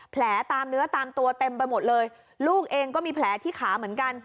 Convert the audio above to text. ตามเนื้อตามตัวเต็มไปหมดเลยลูกเองก็มีแผลที่ขาเหมือนกัน